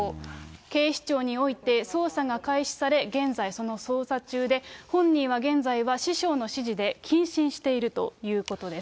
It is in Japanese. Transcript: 警視庁において捜査が開始され、現在、その捜査中で、本人は現在は師匠の指示で謹慎しているということです。